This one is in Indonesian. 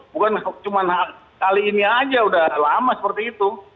bukan cuma kali ini aja udah lama seperti itu